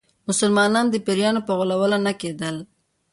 مسلمانانو د پیرانو په غولولو نه کېدل.